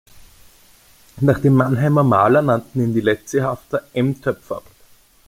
Nach dem Mannheimer Maler nannte ihn Lezzi-Hafter M-Töpfer.